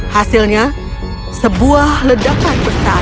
hasilnya sebuah ledakan besar